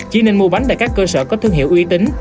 chỉ nên mua bánh tại các cơ sở có thương hiệu uy tín